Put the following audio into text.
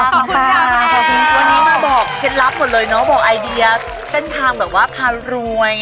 ขอบคุณค่ะวันนี้มาบอกเคล็ดลับหมดเลยเนาะบอกไอเดียเส้นทางแบบว่าพารวย